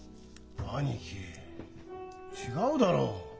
兄貴違うだろ？